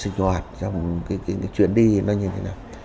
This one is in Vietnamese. sinh hoạt trong cái chuyện đi nó như thế nào